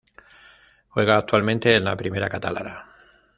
Juega actualmente en la Primera Catalana.